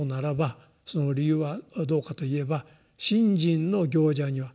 その理由はどうかと言えば「信心の行者には」